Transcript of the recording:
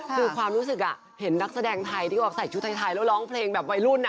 คือความรู้สึกเห็นนักแสดงไทยที่ออกใส่ชุดไทยแล้วร้องเพลงแบบวัยรุ่น